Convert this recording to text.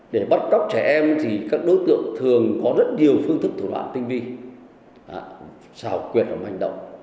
để bắt cóc trẻ em thì các đối tượng thường có rất nhiều phương thức tổn đoạn tinh vi xào quyền và hành động